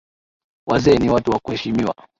Wazee ni watu wa kuheshimiwa